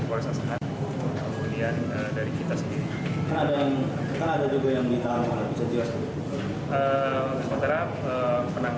untuk saat ini dari satu dimo polda sumatera utara